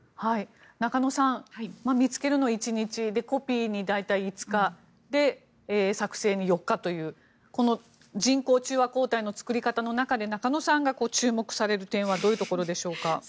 中野さん見つけるのに１日コピーに大体５日作成に４日という人工中和抗体の作り方の中で中野さんが注目される点はどういうところでしょうか。